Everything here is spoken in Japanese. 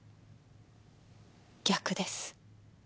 逆です。